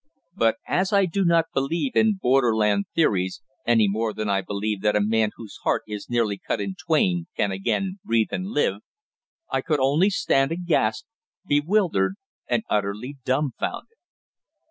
But as I do not believe in borderland theories, any more than I believe that a man whose heart is nearly cut in twain can again breathe and live, I could only stand aghast, bewildered and utterly dumfounded.